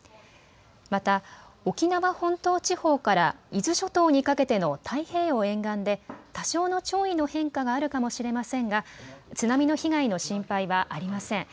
また沖縄本島地方から伊豆諸島にかけての太平洋沿岸で多少の潮位の変化があるかもしれませんが津波の被害の心配はありません。